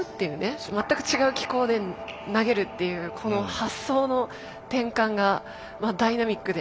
全く違う機構で投げるっていうこの発想の転換がダイナミックで。